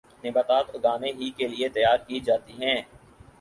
نباتات اگانے ہی کیلئے تیار کی جاتی ہیں